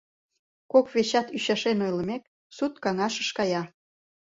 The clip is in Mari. Кок вечат ӱчашен ойлымек, суд каҥашыш кая.